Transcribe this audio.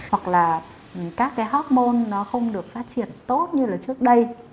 hoặc là các cái hốc môn nó không được phát triển tốt như là trước đây